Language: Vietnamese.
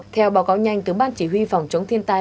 theo báo cáo nhanh từ ban chỉ huy phòng chống thiên tai